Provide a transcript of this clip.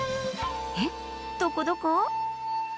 えっどこどこ？